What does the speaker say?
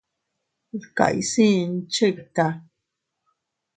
Dkayaasiin chikta.